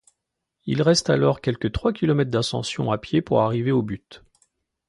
Il reste alors quelque trois kilomètres d'ascension à pied pour arriver au but.